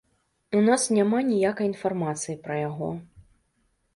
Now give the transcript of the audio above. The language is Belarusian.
У нас няма ніякай інфармацыі пра яго.